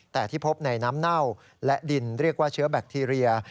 แต่ที่พบในน้ำเน่าและดินเรียกว่าเชื้อแบคทีเรีย